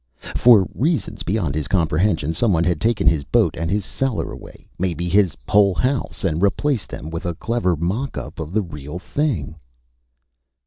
For reasons beyond his comprehension, someone had taken his boat and his cellar away, maybe his whole house, and replaced them with a clever mock up of the real thing.